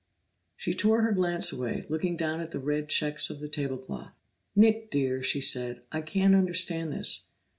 She tore her glance away, looking down at the red checks of the table cloth. "Nick, dear," she said. "I can't understand this.